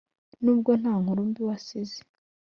N' ubwo nta nkuru mbi wasize.